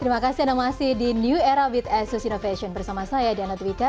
terima kasih anda masih di new era with asus innovation bersama saya diana twitter